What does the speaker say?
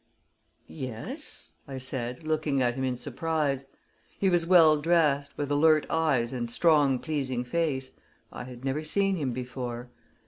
"Yes," I said, looking at him in surprise. He was well dressed, with alert eyes and strong, pleasing face. I had never seen him before.